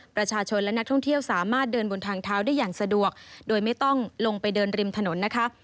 ประชาชนและนักท่องเที่ยวสามารถเดินบนทางเท้าได้อย่างสะดวกโดยไม่ต้องลงไปเดินริมถนนนะคะ